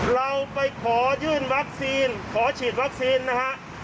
เราไปขอยื่นวัคซีนขอฉีดวัคซีนนะฮะ